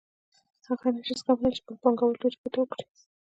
هغه نشي زغملای چې بل پانګوال ډېره ګټه وکړي